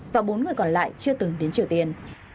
và bốn người còn lại chưa từng đến triều tiên